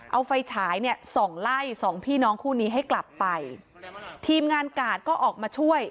เอาไฟฉายเนี่ยส่องไล่สองพี่น้องคู่นี้ให้กลับไปทีมงานกาดก็ออกมาช่วย